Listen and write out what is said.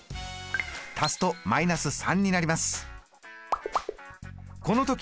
足すと−３になります。